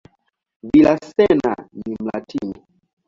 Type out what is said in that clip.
Villaseñor ni "Mlatina".